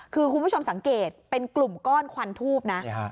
คือคุณผู้ชมสังเกตเป็นกลุ่มก้อนควันทูบนะ